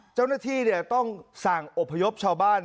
เจ้าหน้าที่ต้องสั่งอบพยพชาวบ้าน